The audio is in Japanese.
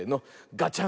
ガチャン。